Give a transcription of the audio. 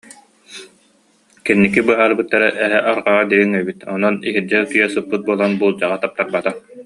Кэнники быһаарбыттара: эһэ арҕаҕа дириҥ эбит, онон иһирдьэ утуйа сыппыт буолан буулдьаҕа таптарбатах